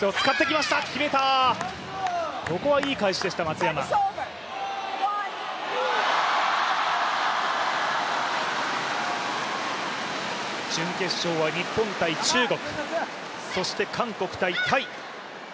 ここはいい返しでした、松山準決勝は日本×中国、そして韓国×タイ。